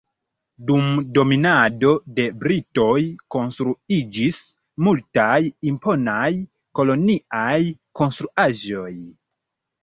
Dum dominado de britoj konstruiĝis multaj imponaj koloniaj konstruaĵoj.